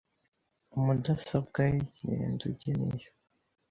mudesobwe y’iginyenduge niyo